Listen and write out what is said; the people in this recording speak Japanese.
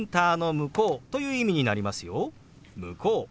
「向こう」。